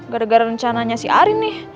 gara gara rencananya si arin nih